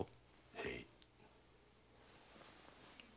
へい。